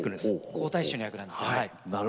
皇太子の役なんですはい。